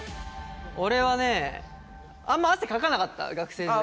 俺はねあんま汗かかなかった学生時代。